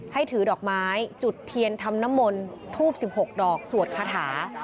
ให้ถือดอกไม้จุดเทียนธรรมนมลทูบ๑๖ดอกสวดคาถา